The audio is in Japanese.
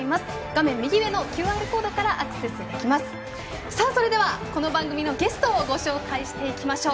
画面右上のＱＲコードからアクセスできます。